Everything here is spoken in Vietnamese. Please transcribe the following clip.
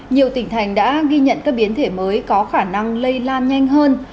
nhiều tỉnh thành đã ghi nhận các biến thể mới có khả năng lây lan nhanh hơn